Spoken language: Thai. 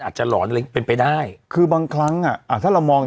อาจจะหลอนเรียงเป็นไปได้คือบางครั้งอ่ะอาจจะเรามอง